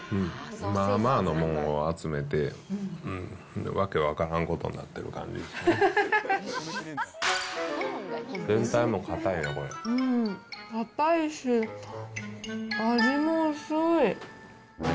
まあまあのものを集めて、訳分からんことになってる感じですね。